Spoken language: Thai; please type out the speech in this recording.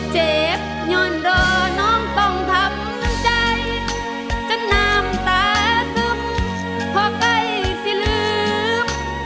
เจ็บย่อนรอน้องต้องทำน้ำใจจนน้ำตาซึมพอใกล้สิลืม